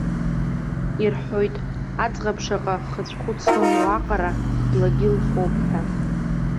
Ирҳәоит, аӡӷаб шаҟа хыцәхәыц лымоу аҟара благьы лхоуп ҳәа.